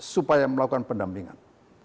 supaya melakukan pendampingan